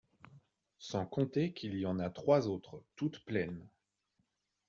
Sans compter qu’il y en a trois autres toutes pleines…